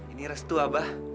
ini restu abah